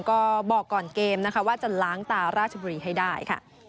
ก็บอกก่อนเกมนะคะว่าจะล้างตาราชบุรีให้ได้ค่ะ